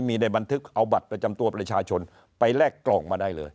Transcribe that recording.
มีในบันทึกเอาบัตรประจำตัวประชาชนไปแลกกล่องมาได้เลย